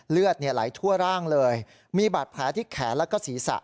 เลือดไหลทั่วร่างเลยมีบาดแผลที่แขนแล้วก็ศีรษะ